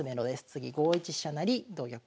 次５一飛車成同玉